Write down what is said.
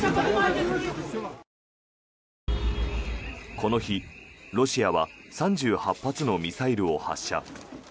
この日、ロシアは３８発のミサイルを発射。